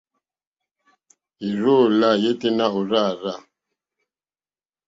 Ì rzô lá yêténá ò rzá àrzá.